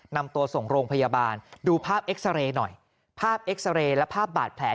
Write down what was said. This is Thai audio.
นำตัวส่งโรงพยาบาลดูภาพเอ็กซาเรย์หน่อยภาพเอ็กซาเรย์และภาพบาดแผล